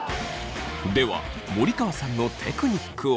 では森川さんのテクニックを。